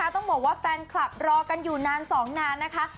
ต้องบอกว่าแฟนคลับรอกันอยู่นาน๒นานนะคะ